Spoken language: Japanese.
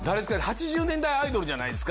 ８０年代アイドルじゃないですか？